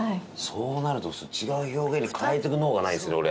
そうなると違う表現に変えていく能がないですね俺。